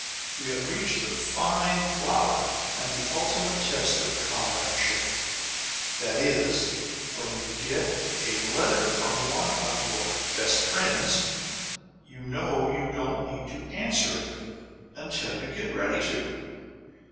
We had reached the fine flower and the ultimate test of comradeship that is, when you get a letter from one of your "best friends," you know you don't need to answer it until you get ready to.